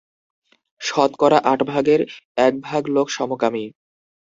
শতকরা আটভাগের এক ভাগ লোক সমকামী।